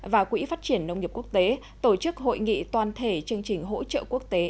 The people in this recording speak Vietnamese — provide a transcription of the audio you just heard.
và quỹ phát triển nông nghiệp quốc tế tổ chức hội nghị toàn thể chương trình hỗ trợ quốc tế